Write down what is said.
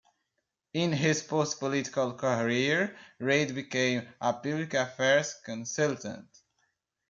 In his post-political career, Reid became a public affairs consultant.